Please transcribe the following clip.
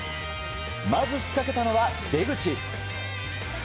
まず、仕掛けたのは出口。